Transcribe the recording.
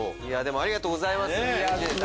ありがとうございます。